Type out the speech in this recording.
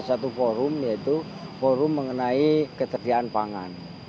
satu forum yaitu forum mengenai keterdiaan pangan